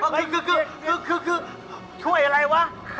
พี่ป๋องครับผมเคยไปที่บ้านผีคลั่งมาแล้ว